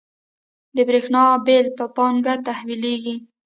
د بریښنا بیل په بانک تحویلیږي؟